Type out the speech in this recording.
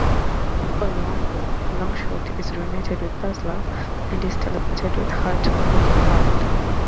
Before long, Longshot is reunited with Dazzler, and is teleported with her to Mojoworld.